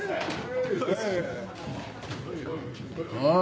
・あ？